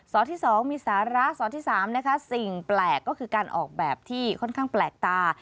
ที่๒มีสาระสอที่๓นะคะสิ่งแปลกก็คือการออกแบบที่ค่อนข้างแปลกตา